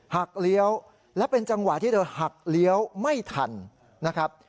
เลี้ยวและเป็นจังหวะที่เธอหักเลี้ยวไม่ทันนะครับ